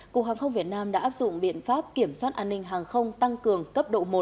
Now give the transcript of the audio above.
cục hàng không việt nam đã áp dụng biện pháp kiểm soát an ninh hàng không tăng cường cấp độ một